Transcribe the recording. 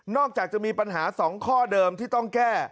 อกจากจะมีปัญหา๒ข้อเดิมที่ต้องแก้